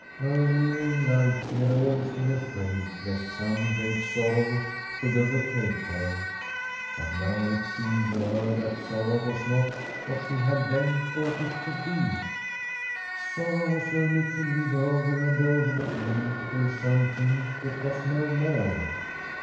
Earlier in life she had always been afraid lest some great sorrow should overtake her, but now it seemed to her that sorrow was not what she had then thought it to be. Sorrow was only to live over and over again through something which was no more.